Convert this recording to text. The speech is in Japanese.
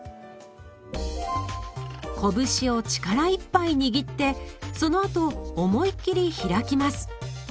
こぶしを力いっぱい握ってそのあと思い切り開きます。